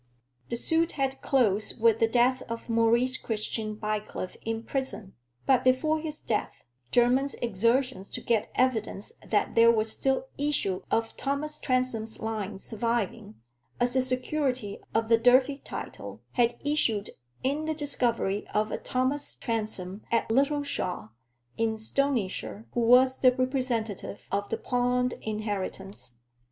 The suit had closed with the death of Maurice Christian Bycliffe in prison; but before his death, Jermyn's exertions to get evidence that there was still issue of Thomas Transome's line surviving, as a security of the Durfey title, had issued in the discovery of a Thomas Transome at Littleshaw, in Stonyshire, who was the representative of the pawned inheritance.